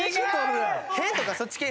「ヘ」とかそっち系。